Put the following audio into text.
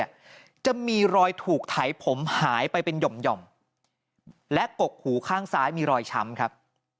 จะมีรอยถูกไถผมหายไปเป็นหย่อมและกกหูข้างซ้ายมีรอยช้ำครับ